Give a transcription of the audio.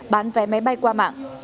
bán vé máy bay qua mạng